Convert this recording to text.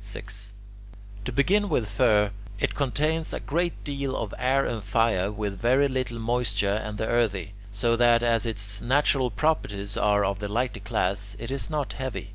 6. To begin with fir: it contains a great deal of air and fire with very little moisture and the earthy, so that, as its natural properties are of the lighter class, it is not heavy.